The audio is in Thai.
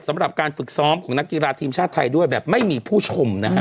สำหรับการฝึกซ้อมของนักกีฬาทีมชาติไทยด้วยแบบไม่มีผู้ชมนะฮะ